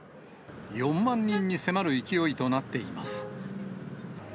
４万人に迫る勢いとなっています。